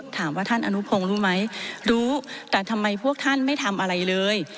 ถามว่าท่านอนุพงศ์รู้ไหมรู้แต่ทำไมพวกท่านไม่ทำอะไรเลย